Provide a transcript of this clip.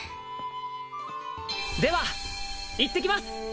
では行ってきます！